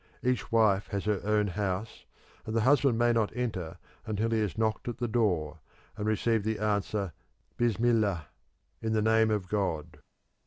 Each wife has her own house, and the husband may not enter until he has knocked at the door and received the answer, Bismillah! [In the name of God!